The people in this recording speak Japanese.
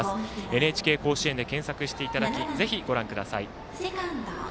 ＮＨＫ甲子園で検索していただきぜひご覧ください。